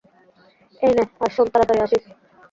এই নে, - আর শোন, তারাতাড়ি আসিছ।